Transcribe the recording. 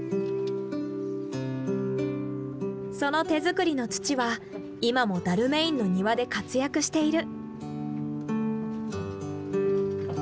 その手作りの土は今もダルメインの庭で活躍している。